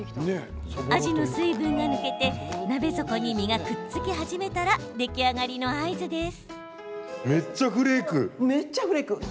アジの水分が抜けて鍋底に身がくっつき始めたら出来上がりの合図です。